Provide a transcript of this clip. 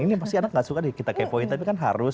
ini pasti anak gak suka kita kepoin tapi kan harus